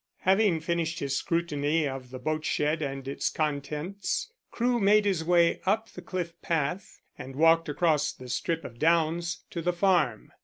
Having finished his scrutiny of the boatshed and its contents, Crewe made his way up the cliff path, and walked across the strip of downs to the farm.